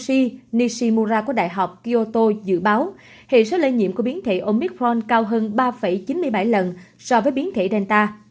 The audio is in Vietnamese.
các giáo sư hiroshi nishimura của đại học kyoto dự báo hệ số lây nhiễm của biến thể omicron cao hơn ba chín mươi bảy lần so với biến thể delta